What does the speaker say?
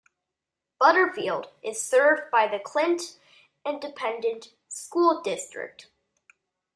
Butterfield is served by the Clint Independent School District.